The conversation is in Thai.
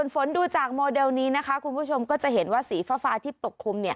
ฝนดูจากโมเดลนี้นะคะคุณผู้ชมก็จะเห็นว่าสีฟ้าที่ปกคลุม